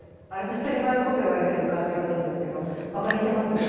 当たり前のこと言われてる感じがするんですけどばかにしてます？